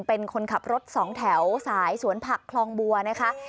เป็นคนขับรถสองแถวสายสวนผักคลองบัวนะคะ